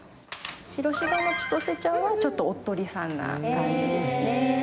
白柴のちとせちゃんはちょっとおっとりさんな感じですね。